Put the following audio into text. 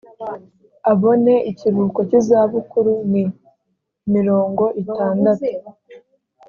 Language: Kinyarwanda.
abone ikiruhuko cy izabukuru ni mirongo itandatu